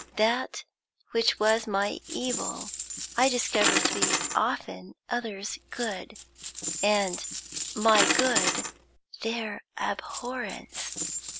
That which was my evil, I discovered to be often others' good; and my good, their abhorrence.